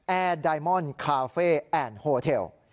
แอร์ไดมอนด์คาเฟ่แอนด์โฮเทล